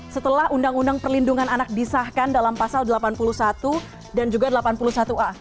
setelah undang undang perlindungan anak disahkan dalam pasal delapan puluh satu dan juga delapan puluh satu a